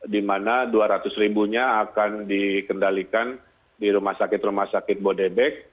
di mana dua ratus ribunya akan dikendalikan di rumah sakit rumah sakit bodebek